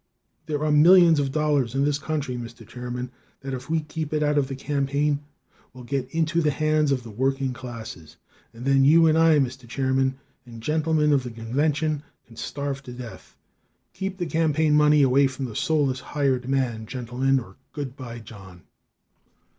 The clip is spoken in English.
There are millions of dollars in this country, Mr. Chairman, that, if we keep it out of the campaign, will get into the hands of the working classes, and then you and I, Mr. Chairman, and gentlemen of the convention, can starve to death. Keep the campaign money away from the soulless hired man, gentlemen, or good bye John.